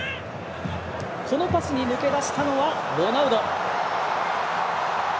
このパスに抜け出したのはロナウド。